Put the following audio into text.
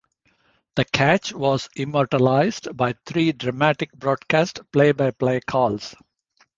The Catch was immortalized by three dramatic broadcast play-by-play calls.